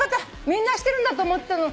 みんなしてるんだと思ってたの。